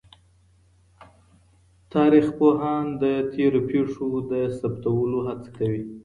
تاريخ پوهان د تېرو پېښو د ثبتولو هڅه کوي.